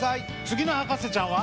次の博士ちゃんは。